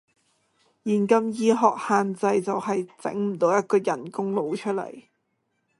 現今醫學限制就係，整唔到一個人工腦出嚟